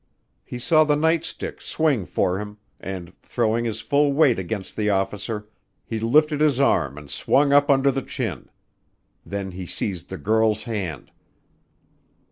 He saw the night stick swing for him, and, throwing his full weight against the officer, he lifted his arm and swung up under the chin. Then he seized the girl's hand.